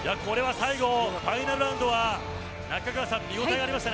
最後、ファイナルラウンドは中川さん、見ごたえがありました。